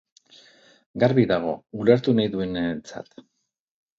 Garbi dago, ulertu nahi duenarentzat.